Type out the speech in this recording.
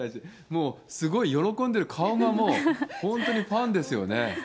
すごい喜んでる顔ももう、本当にファンですよね。